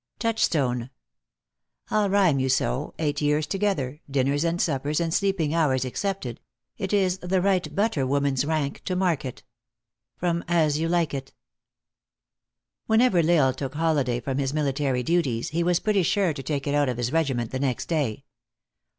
Touchstone. I ll rhyme you so, eight years together; dinners and suppers, and sleeping hours excepted ; it is the right butter woman s rank to market. As You LIKE IT. WHENEVER L Isle took holiday from his military duties, he was pretty sure to take it out of his regi ment, the next day.